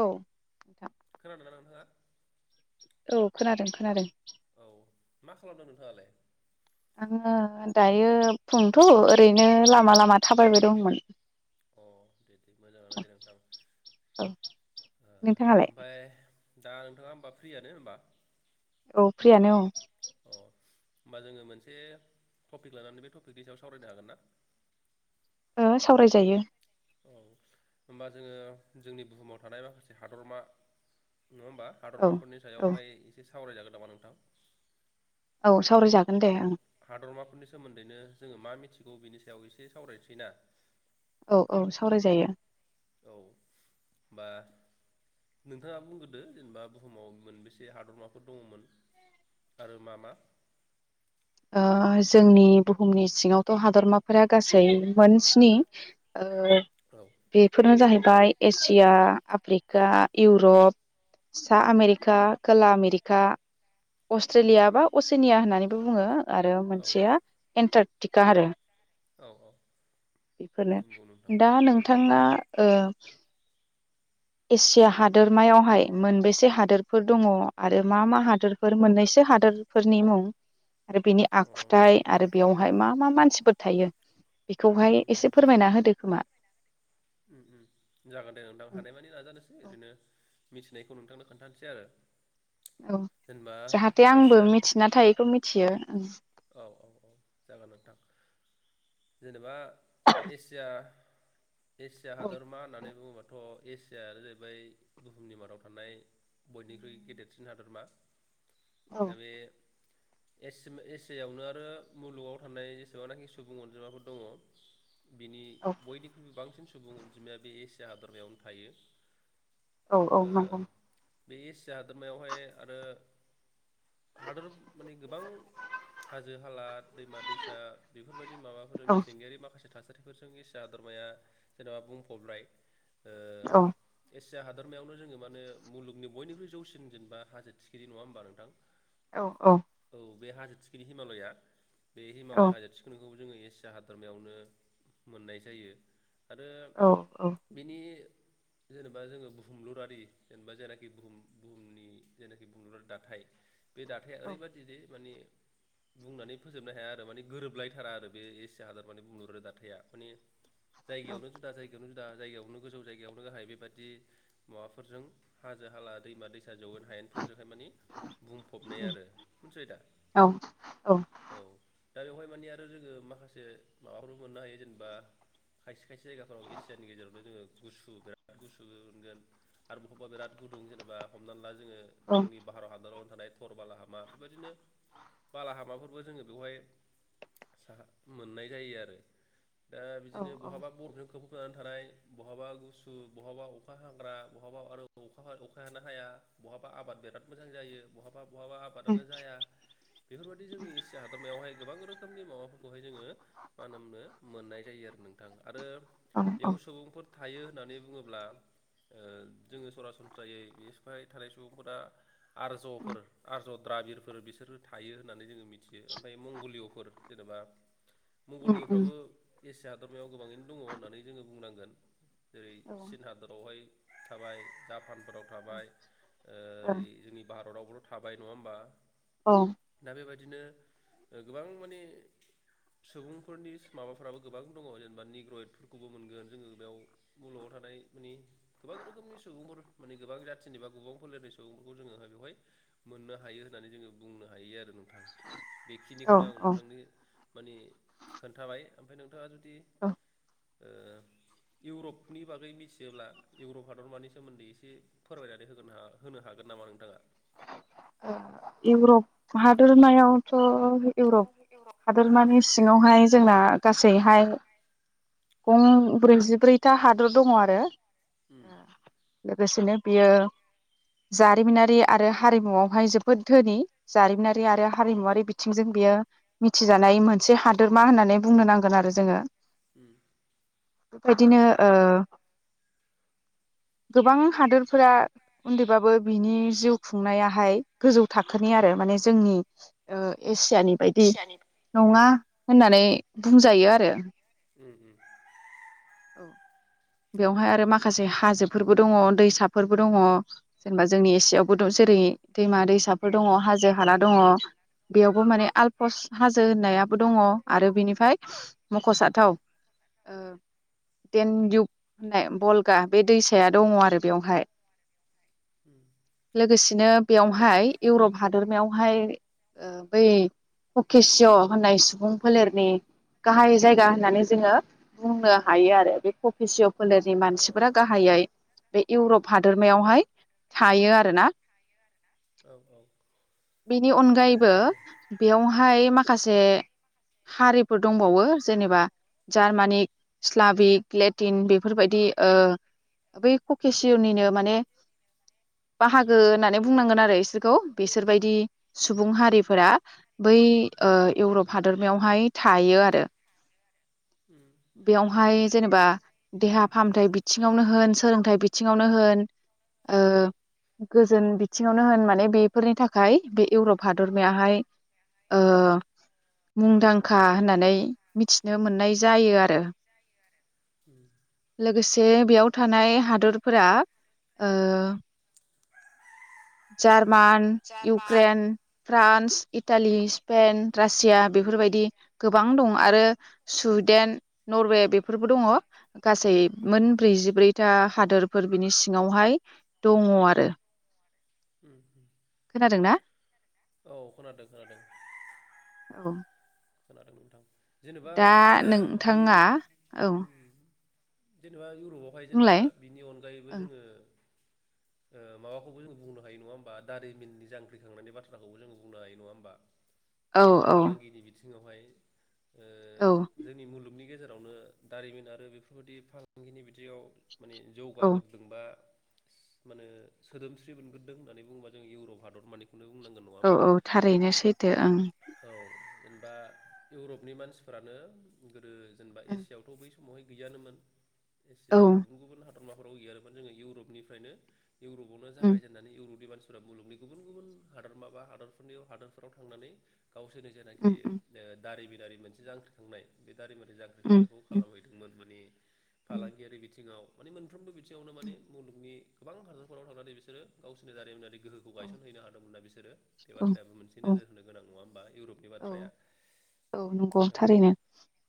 औ। खोनादोंना‌ नोंथाङा? औ खोनादों खोनादों। औ मा खालामदों नोंथाङालाय? आङो दायो फुंथ' ओरैनो लामा लामा थाबायबाय दंमोन। अ दे दे मोजाङानो दे नोंथां औ नोंथाङालाय ओमफाय। दा नोंथाङा होमबा फ्रियानो हमबा? औ फ्रियानो औ। होमबा जोङो मोनसे थफिक लानानै बे थफिकनि सायाव सावरायनो हागोन ना। ओ सावरायजायो। औ होमबा जोङो जोंनि बुहुमाव थानाय माखासे हादरमा। नङा होमबा औ हादरबाफोरनि औ सायावहाय एसे सावरायजागोन नामा नोंथां। औ। सावरायजागोन दे हादर ओं हादरमाफोरनि सोमोन्दैनो जोङो मा मिथिगौ बिनि सायाव एसे सावरायसैना। औ औ सावरायजायो। औ होमबा नोंथाङा बुंग्रोदो जेनेबा बुहुमाव मोनबेसे हादरमाफोर दङमोन आरो मा मा? ओ जोंनि बुहुमनि सिङावथ' हादरमाफोरा गासै मोन स्नि ओ औ बेफोरनो जाहै बाय एसिया आफ्रिका इउरप सा आमेरिका खोला आमेरिका अस्ट्रेलिया बा असिनिया होननानैबो बु बुङो आरो औ मोनसेया एन्टारकटिका आरो। औ औ बेफोरनो नंगौ नोंथां दा नोंथाङा। ओ एसिया हादोरमायावहाय मोनबेसे हादोरफोर दङ आरो मा मा हादोरफोर मोननैसो हादोरफोरनि मुं आरो बिनि अ आखुथाइ आरो बेयावहाय मा मा मानसिफोर थायो। उम बेखौहाय एसे फोरमायना होदो खोमा। होम होम जागोन दे नोंथां हानायमानि नाजानोसै ओरैनो। मिथिनायखौ नोंथांनो खोन्थानोसै आरो। औ जेनेबा जाहाथे आंबो एसिया मिथिना थायैखौ मिथियो ओं। औ औ औ जागोन नोंथां जेनेबा एसिया एसिया औ हादरमा होननानै बुङोबाथ'। एसियानो जाहैबाय बुहुमनि मादाव थानाय बयनिख्रुइ गेदेरसिन हादोरमा। दा बे एसि मि एस सिटियावनो आरो मुलुगाव थानाय जेसेबांनाखि सुबुं अनजिमाफोर दङ। बिनि औ बयनिख्रुइबो बांसिन सुबुं अनजिमाया बे एसिया हादरमायावनो थायो। औ औ ओ नंगौ। बे एसिया हादोरमायावहाय आरो हादोर माने गोबां हाजो हालाद दैमा दैसा बेफोरबायदि माबाफोर औ मिथिंगायारि माखासे थासारि फोरजों एसिया हादरमाया जेनेबा बुंफबबाय। औ। एसिया हादरमायावनो जोङो मानो मुलुगनि बयनिख्रुइ जौसिन जेनेबा हाजो थिखिरि नङा होमबा नोंथां। औ औ। बे हाजो थिखिनि हिमालया बे औ हिमालय हाजो थिखिनि खौ जोङो एसिया हादरमायावनो मोननाय जायो। आरो औ बिनि जेनेबा जोङो बुहुमलुरारि जेनेबा जायनाखि बुहुम बुहुमनि जेनाखि बुहुमलुरारि दाथाय बे दाथाया औ ओरैबायदिे जि माने बुंनानै फोजोबनो हाया आरो माने गोरोबलायथारा आरो बे एसिया हादर माने बुंहरो दाथायआ माने जायगायावनो जुदा जायगावनो दा जायगायावनो गोजौ जायगायावनो गाहाय बेबायदि माबाफोरजों हाजो हाला दैमा दैसा दा जौयेन हायेनफोरजोंहाय माने बुंफबनाय आरो मोनथिबायदा औ। दा बेवहाय माने आरो जोङो माखासे माबाफोरबो मोननो हायो जेनबा खायसे खायसे जायगाफोराव एसियानि गेजेरावनो जोङो गुसु बिराद गुसु मोनगोन आरो बहाबा बिराद गुदुं जेनेबा हमना ला जोङो जोंनि भारत हादराव थानाय थर बालाहलामा बेबायदिनो बाला हामाफोरबो जोङो बेवहाय साहा मोननाय जायो आरो। दा बिदिनो औ बहाबा बरफजों खोब फोन थानाय बहाबा गुसु बहाबा अखा हाग्रा बहाबा आरो अखा अखा हानो हाया बहाबा आबाद बिराद मोजां जायो बहाबा बहाबा आबादानो जाया बेफोरबायदि जोंनि एसिया हादर मायावहाय गोबां रोखोमनि माबाफोरखौहाय जोङो मा होनोमनो मोननाय जायो आरो नोंथां। आरो बेयाव सुबुंफोर थायो होननानै बुङोब्ला ओ जोङो सरासनस्रायै बे सिफाय थानाय सुबुंफोरा आरज'फोर आरज' द्राबिरफोर बिसोरो थायो होननानै जोङो मिथियो ओमफ्राय मंगलिय'फोर जेनेबा मंगलिय'फ्राबो एस आदरमायाव गोबाङैनो दङ होननानै जोङो बुंनांगोन जेरै औ चीन हादरावहाय थाबाय दाब भुटानफोराव थाबाय ओ जोंनि भारताव हल' थाबाय नङा होमबा औ दा बेबादि नो गोबां माने सुबुंफोरनि माबाफोराबो गोबां दङ जेनेबा निग्रयेदफोरखौबो मोनगोन जोङो बेयाव मुलुगाव थानाय माने गोबां रोखोमनि सुबुंफोर माने गोबां जाथिनि बा गोबां फोलेरनि सुबुंफोरखौ जोङो बेवहाय मोननो हायो होननानै जोङो बुंनो हायो आरो नों थां औ बेखिनिखौनो आं नोंथांनो माने खोन्थाबाय ओमफ्राय नों थाङा जुदि औ ओ इउरपनि बागै मिथियोब्ला इउरप हादरमानि सोमोन्दै एसे फोरमायनानै होगोन होनो हागोन नामा नोंथाङा। अ इउरप हादरमायावथ' इउरप हादोरमानि सिङावहाय जोंना गासैहाय गं ब्रैजिब्रैथा हादर दङ आरो उम आ लोगोसेनो बियो जारिमिनारि आरो हारिमुआवहाय जोबोद धोनि उम जारिमिनारि आरो हारिमुवारि बिथिंजों बेयो मिथिजानाय मोनसे हादोरमा होननानै बुंनो नांगोन आरो जोङो उम बेबायदिनो ओ गोबां हादरफोरा उन्दैबाबो बिनि जिउ खुंनायाहाय गोजौ थाखोनि आरो माने जोंनि ओ खुदियानि बायदि खुसियानि नङा होननानै बुंजायो आरो उम उम औ बेवहाय आरो माखासे हाजोफोरबो दङ दैसाफोरबो दङ जेनेबा जोंनि एसियायाव जेरै दैमा दैसाफोर दङ हाजो हाला दङ। बेयावबो उम माने आलफस हाजो होननायाबो दङ आरो बिनिफ्राय मख'जाथाव ओ देनदिुुब होननाय बलगा बे दैसाया दङ आरो बेवहाय उ लोगोसेनो बेवहाय इउरप हादोरमायावहाय ओ बै ककेसिय' होननाय सुबुं फोलेरनि गाहाय जायगा होननानै जोङो बुंनो हायो आरो ककेसिय' फोलेरनि अ मानसिफोरा गाहायै बे इउरप हादरमायावहाय थायो आरो ना औ औ बेनि थारैनो अनगायैबो नंगौ बेयावहाय मा माखासे हारिफोर दंबावो जेनेबा जार्मानिक इस्लाबिक लेटिन बेफोरबायदि ओ बै कुकेसियनिनो माने बाहागो होननानै बुंनांगोन आरो इसोरखौ बिसोरबायदि उम सुबुं हारिफोरा बै ओ इउरप हादरमायावहाय थायो आरो उम बेयावहाय जेनेबा ओ देहा फाहामथाइ बिथिङावनो होन सोलोंथाइ बिथिङावनो होन ओ गोजोन बिथिङावनो होन माने बेफोरनि थाखाय बे इउरप हादरमायाहाय ओ मुंदांखा होननानै मिथिनो मोननाय जायो आरो उम लोगोसे जे बेयाव थानाय हादरफोरा ओ जार मान German Ukraine France Italy Spain Russia बेफोरबायदि गोबां दं आरो सुइदेन नरवे बेफोरबो दङ गासै उम मोन ब्रैजिब्रै दा हादोरफोर बिनि सिङाव हाय दङ आरो उम खोनादों ना औ खोनादों खोनादों औ [unintelligible] खोनादों नोंथां जेनेबा दा नोंथाङा औ जेनबा ग्रुपआवहाय जेनेबा बुंलाय बैनि अनगायैबो ओं जोङो ओ माबाखौबो जों बुंनो हायो नङा होमबा दारिमिननि जांख्रिखांनायनि बाथ्राखौबो जों बुंनो हायो नङा होमबा औ ओ औ फालांगिनि बि सिङावहाय औ जोंनि मुलुगनि गेजेराव नो दारिमिन आरो बेफोरबायाददि फालांगिनि बिदियाव माने औ जौगागोरदोंबा माने सोदोमस्रि मोनग्रोदों होन्नानै बुङोबा जों इउरप हादर मानि औ -औ थारैनो सैथो ओं औ जेनेबा इउरपनि मानसिफोरानो गोदो जेनबा एसिया आवथ' बै समावहाय गैयानोमोन एसिया ओं गुबुन -गुबुन हादरमाफोराव गैयानोमोन जोङो इउरपनिफ्रायनो इउरपावनो औ उम जागायजेननानै इउरपनि मानसि मुलुगनि गुबुन गुबुन हादोरमा बा हादोरफोरनि हादोरफोराव थांनानै गावसोरनि ओ उम उम दारिमिन मोनसे जांख्रिखांनाय बे दारिमारि जांख्रिखांनायखौ उम खालामहैदोंमोन माने उम फालांगियारि बिथिङाव माने मोनफ्रबो बि बिथिंआवनो माने उम मुलुगनि गोबां हादरफोराव थांनानै बिसोर गावसिनि दारिमिनारि गोहोखौ गायसन हैैनोदों हादोंमोनना बि बिसोरो बे उम बाथ्रायाबो मोनसे औ नोजोर होनो गोनां नङा होमबा इउरप बे बाथ्रा औ। औ नंगौ थारैनो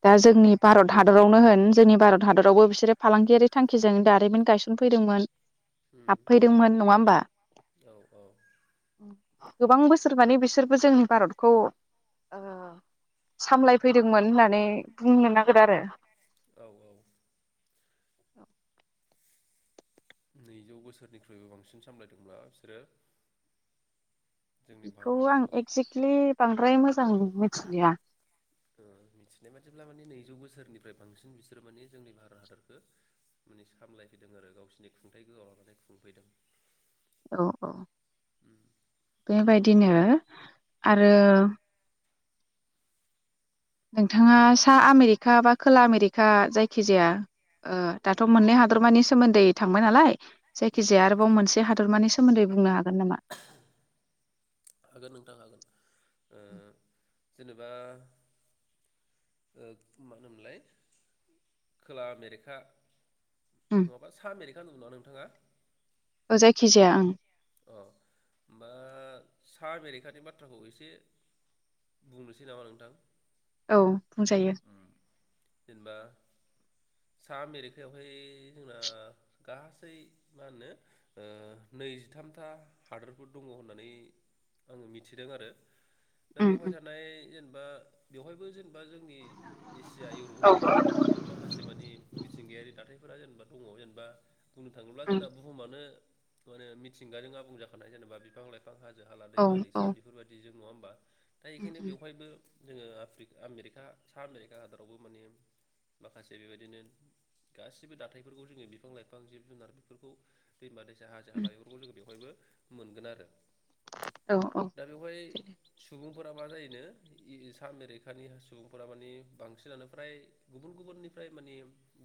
दा औ जोंनि भारत हादरावनो होन जोंनि भारत हादर आवबो बिसोरो फालांगियारि थांखिजों दारिमिन गायसनफैदोंमोन। उम हाबफैदोंमोन नङा होमबा? औ औ गोबां बोसोर मानि बिसोरबो जोंनि भारतखौ सामलायफैदोंमोन होननानै बुंनो नांगोन आरो औ- औ। औ। नैजौ बोसोरनिख्रुइबो बांसिन सामलायदोंब्ला बिसोरो। जोंनि भारत बेखौ आं हादरखौ एक्जेक्टलि बांद्राय मोजां मिथिलिया मिथिनाय बादिब्ला माने नैजौ बोसोरनिफ्राय बांसिन बिसोरो माने जोंनि भारत हादरखौ माने सामलायफैदों आरो गावसिनि खुंथाइ गोहोआव लानानै खुंफैदों। औ -औ उम बेबायदि बिदिनो आरो नोंथाङा सा आमेरिका बा खोला आमेरिका जायखिजाया ओ दाथ' मोननै हादरमानि सोमोन्दै थांबाय नालाय उम जायखिजाया आरोबाव मोनसे बे हादरमानि सोमोन्दै बुंनो हागोन नामा? हागोन नोंथां हागोन ओ जेनेबा ओ मा होनोमोनलाय खोला आमेरिखा उम नङाबा सा मेरिका होनौ नङा नोंथाङा? औ जायखिजाया ओं। अ होमबा सामेरिखानि बाथ्राखौ एसे बुंनोसै नामा नोंथां? औ बुंजायो। जेनेबा सा आमेरिकायावहाय जोंना गासै मा होनो ओ नैजिथाम था हादोरफोर दङ होननानै आङो मिथिदों आरो। दा उम बेवहाय उम थानाय जेन बा बेवहायबो जेनेबा जोंनि एसिया इउरपफोर औ बादिनो बेवहायबो माखासे मानिे मिथिंगायारि दाथाय फोर जेनेबा दङ जेनेबा बुंनो थाङोब्ला उम जोंना बुहुमानो माने मि थिंगाजों आबुंजाखानाय जेनेबा बिफां लाइ फां हाजो हाला औ दैमा औ दैसा बेफोरबायदि जों नङा होमबा? दा उम एखायनो उम बेवहायबो जोङो आफ्रि आमेरिका सा आमेरिका हादरावबो माने माखासे बेबायदिनो गासिबो दाथायफोरखौ जोङो बिफां लाइफां जिब जुनार बेफोरखौ दैमा दैसा हाजो हाला उम बेवहायबो मोनगोन आरो। औ औ दा बेवहाय सुबुं सुबुंफोरा मा जायोनो इ-इसा आमेरिकानि सुबुंफोरा माने बांसिनानो फ्राय गुबुन गुबुननिफ्राय मानि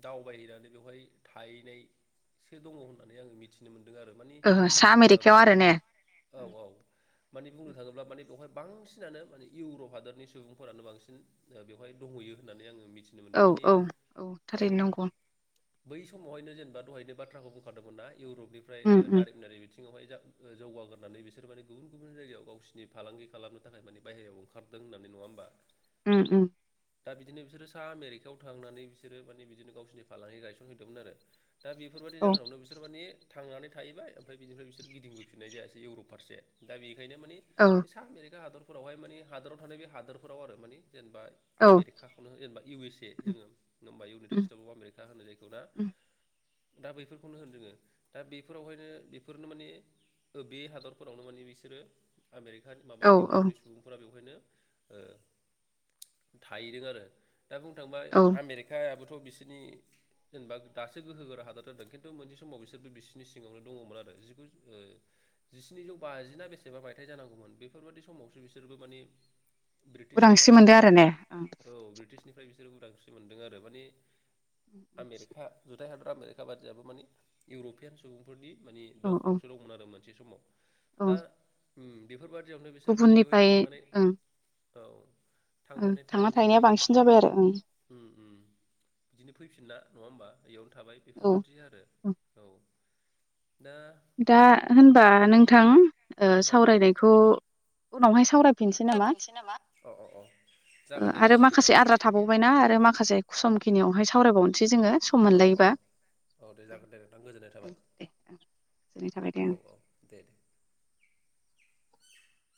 दावबायहैनानै बेवहाय थाहैनायसो दङ होननानै आङो मिथिनो मोन्दों आरो। मानि ओ सा ओ आमेरिकायाव आरो ने। औ उम। औ माने बुंनो थाङोब्ला माने बेवहाय बांसिनानो माने इउरप हादरनि सुबुंफोरानो बांसिन बेवहाय ओ दंहैयो होननानै आङो मि औ औ औ थारैनो नंगौ। बै समावहायनो जेनेबा दहायनो बाथ्राखौ बुंखादोंमोन ना इउरप बेनिफ्राय ओ उम उम [unintelligible] होननानै बि सिङावहाय जा जौगागोन होननानै बिसोर माने गुबुन गुबुन जायगायाव गावसिनि फालांगि खालामनो थाखाय माने बाहेरायाव ओंखारदों होननानै। नङा होमबा? उम उम। दा बिदिनो बिसोरो सा आमेरिकायाव थांनानै बिसोरो माने बिदिनो गावसोरनि फालांगि गायसनहैदोंमोन आरो। दा बेफोरबादि औ जाहोनावनो बिसोर माने थांनानै थाहैबाय ओमफ्राय बिनिफ्राय बिसोर गिदिंबोफिननाय जायासै इउर'प फारसे। दा बे नि माने औ बे सा आमेरिका हादर फोरावहाय माने हादोराव थानाय बे हादोरफोराव आरो माने जेनेबा औ आमेरिकाखौनो जेनेबा इउ एस ए उम जोङो होनबा United um States of America होनो जायखौ ना उम दा बैफोरखौनो होन जोङो दा बे फोरावहायनो बेफोरनो माने बे हादरफोरावनो माने बिसोरो आमेरिकानि माबा औ औ इउरपनि सुबुंफोरा बेवहायनो ओ थाहैदों आरो। दा बुंनो थांबा औ आमेरिकायाबो बोथ' बिसोरनि जेनेबा दासो गोहो गोरा हादर जादों खिन्थु मोनसे समाव बिसोरबो बि नि सिङावनो दङमोन आरो जिगु ओ जिस्निजौ बाजिना बेसेबा मायथाइ जानांगौमोन बेफोरबादि समावसो बिसोरबो माने ब्रिटिशनि उदांस्रि मोनदो आथिंनि आरो ने ओं औ ब्रिटिशनिफ्राय बि सोर उदांस्रि मोनदों आरो माने आमेरिका नि थाय हादर [unintelligible] माने इउरप पियान सुबुंफोरनि माने औ औ दखलावसो दंमोन आरो मान बे समाव औ दा उम बेफोरबादि दियावनो बिसोर माने बेवहाय गुबुननिफ्राय थांनानै औ उम थांनानै थांना थाहैनानै थाहैनाया बांसिन जाबाय आरो ओं उम उम बिदिनो फैफिनला नङा होमबा? बेयावनो थाबाय बेफोरबायदि औ आरो औ दा दा होनबा नोंथां ओ औ सावरायनायखौ उनावहाय सावराय फिनसै नामा जाफिनसै अ अ अ ओ जागोन दे आरो नोंथां दे माखासे जागोन दे आद्रा थाबावबायना आरो माखासे समखिनियावहाय सावरायबावनोसै जोङो सम औ औ मोनलायोबा। औ दे जागोन दे नोंथां गोजोननाय थाबाय। दे जोंनि थाबाय दे औ ओं। औ दे दे